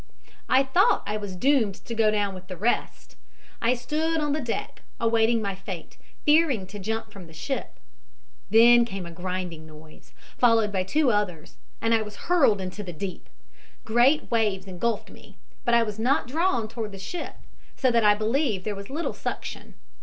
"I thought I was doomed to go down with the rest. I stood on the deck, awaiting my fate, fearing to jump from the ship. Then came a grinding noise, followed by two others, and I was hurled into the deep. Great waves engulfed me, but I was not drawn toward the ship, so that I believe there was little suction.